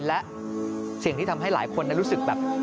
และเสียงที่ทำให้หลายคนรู้สึกแบบ